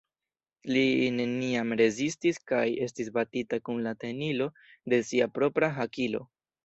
Li neniam rezistis kaj estis batita kun la tenilo de sia propra hakilo.